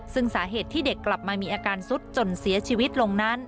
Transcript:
ซึ่งสาเหตุที่เด็กกลับมามีอาการซุดจนเสียชีวิตลงนั้น